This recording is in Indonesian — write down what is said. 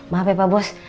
maaf ya pak bos